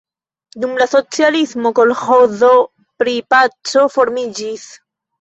Dum la socialismo kolĥozo pri Paco formiĝis.